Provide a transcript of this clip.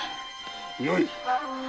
よい。